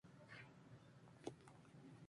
Faltan más estudios.